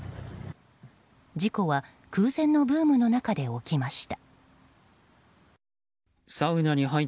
事故は空前のブームの中で起きました。